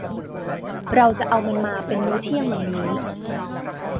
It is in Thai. เราจะเอามันมาเป็นมื้อเที่ยงวันนี้